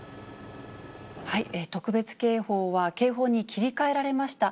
特別警報は警報に切り替えられました。